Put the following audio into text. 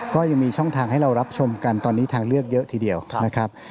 ก็ยังมีช่องทางให้เรารับชมกันตอนนี้ทางเลือกเยอะทีเดียวนะครับ